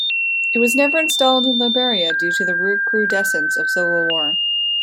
It was never installed in Liberia due to the recrudescence of civil war.